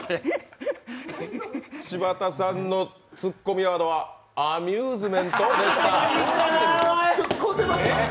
柴田さんのツッコミワードは「アミューズメント？」でした。